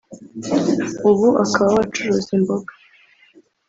ubu akaba we acuruza imboga